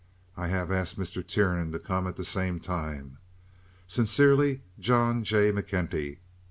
I have asked Mr. Tiernan to come at the same time. Sincerely, John J. McKenty.